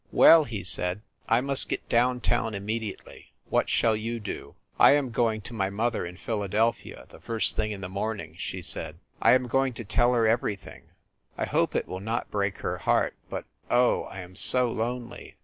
"Well," he said, "I must get down town immedi ately. What shall you do ?" "I am going to my mother in Philadelphia, the first thing in the morning,", she said. "I am going to tell her everything. I hope it will not break her heart, but, oh, I am so lonely!"